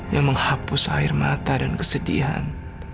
yang menghapus air mata dan kesedihan